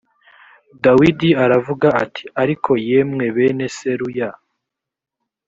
dawidi aravuga ati ariko yemwe bene seruya